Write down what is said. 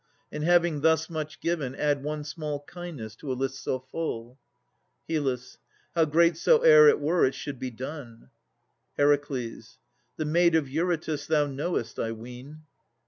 And having thus much given Add one small kindness to a list so full. HYL. How great soe'er it were, it should be done. HER. The maid of Eurytus thou knowest, I ween.